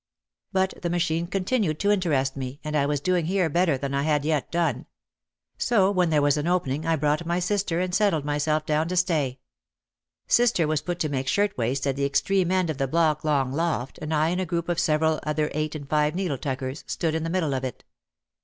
But the machine continued to interest me, and I was doing here better than I had yet done. So when there was an opening I brought my sister and settled myself down to stay. Sister was put to make shirt waists at the extreme end of the block long loft and I in a group of several other eight and five needle tuckers, stood in the middle of it.